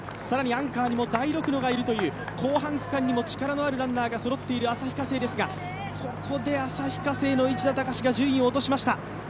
更にアンカーにも大六野がいるという後半にも力のあるランナーがそろっている旭化成ですが、ここで旭化成の市田孝が順位を落としました。